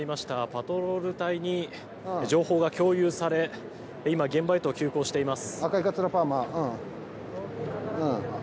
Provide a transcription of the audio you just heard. パトロール隊に情報が共有され今、現場へと急行しています。